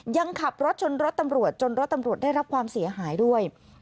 ยังขับรถชนรถตำรวจจนรถตำรวจได้รับความเสียหายด้วย